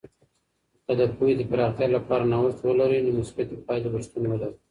که د پوهې د پراختیا لپاره نوښت ولرئ، نو مثبتې پایلې به شتون ولري.